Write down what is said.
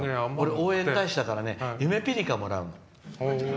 応援大使だからゆめぴりかをもらうの。